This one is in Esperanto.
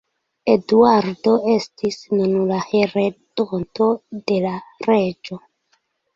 Eduardo estis nun la heredonto de la reĝo.